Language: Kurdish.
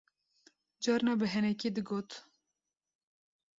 carna bi henekî digot